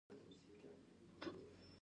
څه پوښتنه پکې لرې؟